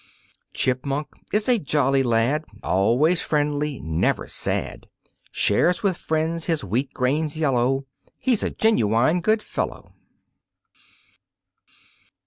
Chipmunk is a jolly lad, Always friendly never sad, Shares with friends his wheat grains yellow, He's a genuine good fellow.